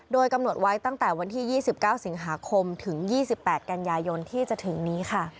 โดยกำหนดไว้ตั้งแต่วันที่๒๙สิงหาคมถึง๒๘กันยายนที่จะถึงนี้ค่ะ